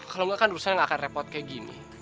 kalau gak kan urusan gak akan repot kayak gini